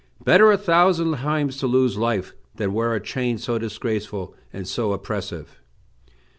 Better a thousand times to lose life, than wear a chain so disgraceful and so oppressive!"